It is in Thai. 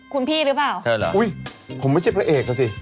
คุณพี่หรือเปล่าอุ๊ยผมไม่ใช่พระเอกสิ